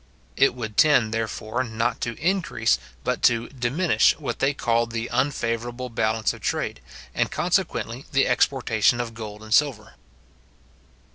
It would tend, therefore, not to increase, but to diminish, what they called the unfavourable balance of trade, and consequently the exportation of gold and silver.